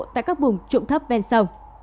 tại các vùng trụng thấp ven sông